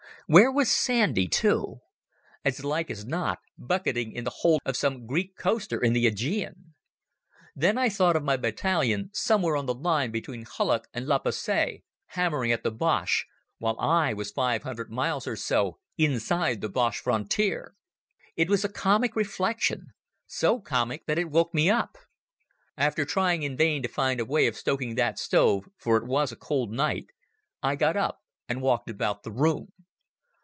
Where was Sandy, too? As like as not bucketing in the hold of some Greek coaster in the Aegean. Then I thought of my battalion somewhere on the line between Hulluch and La Bassee, hammering at the Boche, while I was five hundred miles or so inside the Boche frontier. It was a comic reflection, so comic that it woke me up. After trying in vain to find a way of stoking that stove, for it was a cold night, I got up and walked about the room.